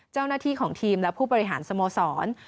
เจ้าหน้าที่ของทีมและผู้บริหารสโมสร